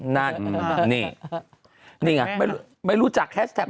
นี่ไงไม่รู้จักแฮชแท็ป